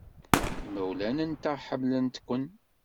Imawlan-nteɣ ḥemmlen-kent.